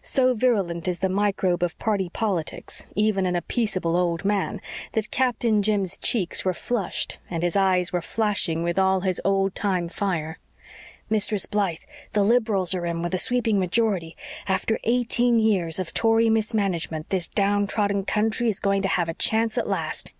So virulent is the microbe of party politics, even in a peaceable old man, that Captain Jim's cheeks were flushed and his eyes were flashing with all his old time fire. "Mistress Blythe, the Liberals are in with a sweeping majority. After eighteen years of Tory mismanagement this down trodden country is going to have a chance at last."